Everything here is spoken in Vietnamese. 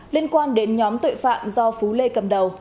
liên quan đến nhóm tội phạm do phú lê cầm đầu